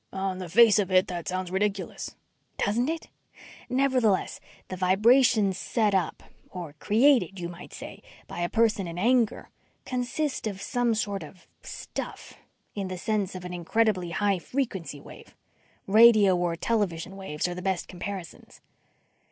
"On the face of it, that sounds ridiculous." "Doesn't it? Nevertheless, the vibrations set up, or created you might say, by a person in anger, consist of some sort of stuff in the sense of an incredibly high frequency wave. Radio or television waves are the best comparisons.